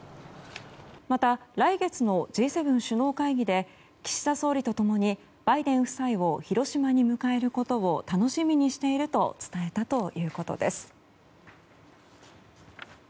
また、来月のＧ７首脳会議で岸田総理と共にバイデン夫妻を広島に迎えることを楽しみにしていると伝えたということです。